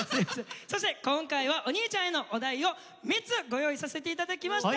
そして今回はおにいちゃんへのお題を３つご用意させて頂きました。